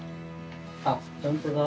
あっ本当だ。